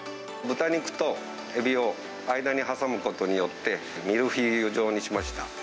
豚肉とエビを間に挟むことによって、ミルフィーユ状にしました。